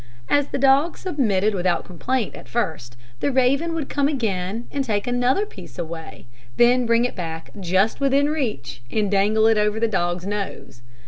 As the dog submitted without complaint at first, the raven would come again and take another piece away, then bring it back just within reach, and dangle it over the dog's nose.